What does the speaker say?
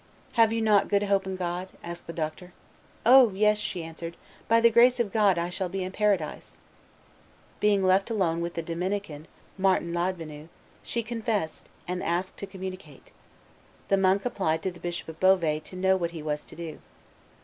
"Have you not good hope in God?" asked the doctor. "O! yes," she answered; "by the grace of God I shall be in paradise." Being left alone with the Dominican, Martin Ladvenu, she confessed and asked to communicate. The monk applied to the Bishop of Beauvais to know what he was to do.